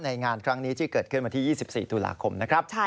งานครั้งนี้ที่เกิดขึ้นวันที่๒๔ตุลาคมนะครับ